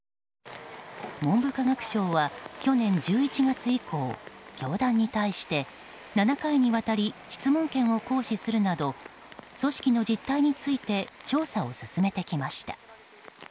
文部科学省は去年１１月以降教団に対して７回にわたり質問権を行使するなど組織の実態について調査を進めてきました。